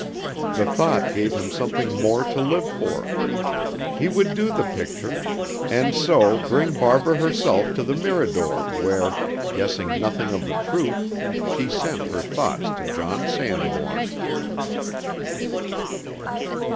The thought gave him something more to live for. He would do the picture, and so bring Barbara herself to the Mirador where, guessing nothing of the truth, she sent her thoughts to John Sanbourne.